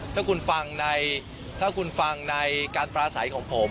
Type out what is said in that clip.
ถ้าคุณฟังในการปราศัยของผม